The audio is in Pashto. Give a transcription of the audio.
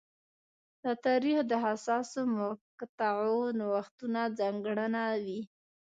د تاریخ د حساسو مقطعو نوښتونه ځانګړنه وې.